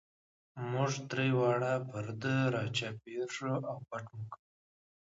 موږ درې واړه پر ده را چاپېر شو او پټ مو کړ.